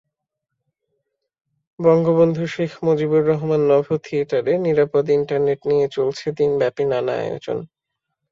বঙ্গবন্ধু শেখ মুজিবুর রহমান নভোথিয়েটারে নিরাপদ ইন্টারনেট নিয়ে চলছে দিনব্যাপী নানা আয়োজন।